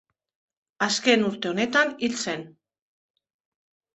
Azken urte honetan hil zen.